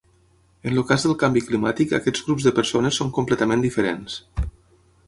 En el cas del canvi climàtic aquests grups de persones són completament diferents.